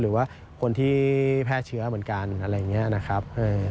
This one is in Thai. หรือว่าคนที่แพร่เชื้อเหมือนกันอะไรอย่างนี้นะครับ